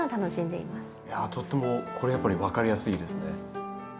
いやとてもこれやっぱり分かりやすいですね。